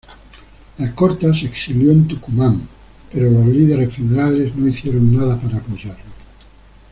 Alcorta se exilió en Tucumán pero los líderes federales no hicieron nada para apoyarlo.